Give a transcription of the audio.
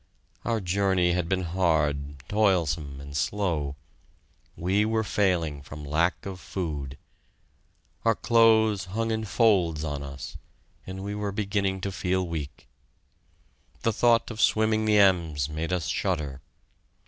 Our journey had been hard, toilsome, and slow. We were failing from lack of food. Our clothes hung in folds on us, and we were beginning to feel weak. The thought of swimming the Ems made us shudder!